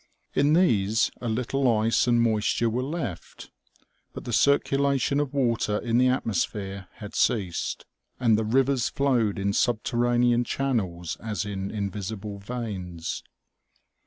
In these a little ice and moisture were left, but the circulation of water in the atmosphere had ceased, and the rivers flowed in subterranean channels as in in visible veins.